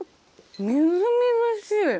みずみずしい！